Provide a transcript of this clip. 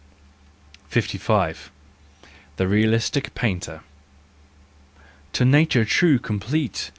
55 The Realistic Painter. " To nature true, complete!